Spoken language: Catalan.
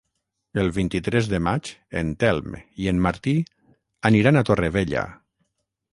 El vint-i-tres de maig en Telm i en Martí aniran a Torrevella.